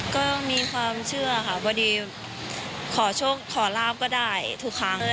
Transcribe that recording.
ก็มีความเชื่อค่ะพอดีขอโชคขอลาบก็ได้ทุกครั้ง